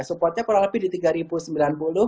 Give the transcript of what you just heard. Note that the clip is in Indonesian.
supportnya kurang lebih di rp tiga sembilan puluh